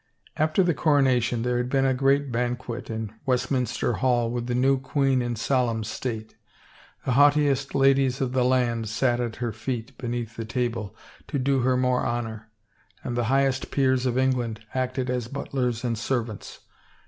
After the coronation there had been a great banquet in Westminster Hall with the new queen in solemn state. The haughtiest ladies of the land sat at her feet, beneath the table, to do her more honor, and the high est peers of England acted as butlers and servants.